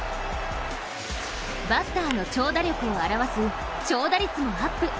バッターの長打力を表す長打率もアップ。